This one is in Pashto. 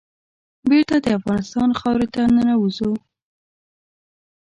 بېرته د افغانستان خاورې ته ننوزو.